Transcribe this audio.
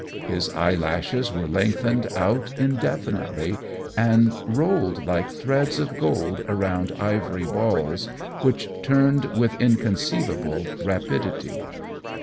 His eyelashes were lengthened out indefinitely, and rolled like threads of gold around ivory balls, which turned with inconceivable rapidity.